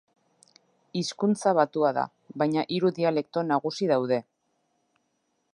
Hizkuntza batua da, baina hiru dialekto nagusi daude.